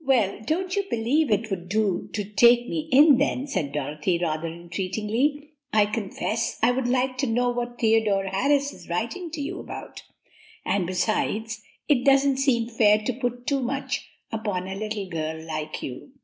"Well, don't you believe it would do to take me in, then?" said Dorothy rather entreatingly. "I confess I would like to know what Theodore Harris is writing to you about; and besides it doesn't seem fair to put too much upon a little girl like you.